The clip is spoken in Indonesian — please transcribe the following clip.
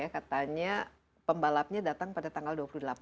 katanya pembalapnya datang pada tanggal dua puluh delapan